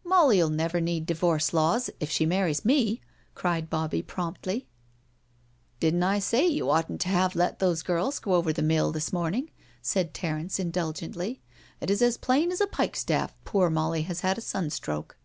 " Molly'uU never need divorce laws, if she marries met" cried Bobbie promptly. " Didn't I say you oughtn't to have let those girls go over the mill this morning/' said Terence indul gently. '* It is as plain as a pikestaff poor Molly has had a sunstroke."